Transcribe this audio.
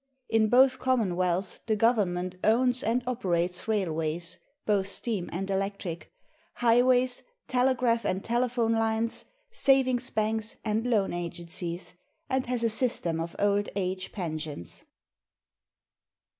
In both commonwealths the govern ment owns and operates railways (both steam and electric) , highways, telegraph and telephone lines, savings banks and loan agencies, and has a system of old age pensions.